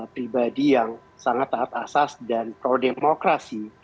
pribadi yang sangat taat asas dan pro demokrasi